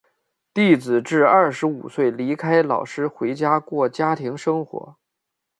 弟子至二十五岁离开老师回家过家庭生活。